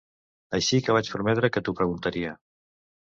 Així que vaig prometre que t'ho preguntaria.